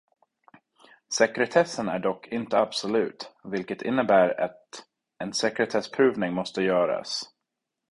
Sekretessen är dock inte absolut, vilket innebär att en sekretessprövning måste göras.